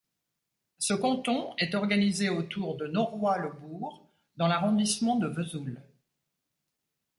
Ce canton est organisé autour de Noroy-le-Bourg dans l'arrondissement de Vesoul.